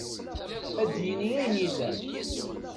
Ad d-yini ayen yellan.